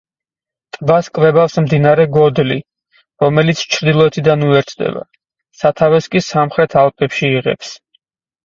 ტბას კვებავს მდინარე გოდლი, რომელიც ჩრდილოეთიდან უერთდება, სათავეს კი სამხრეთ ალპებში იღებს.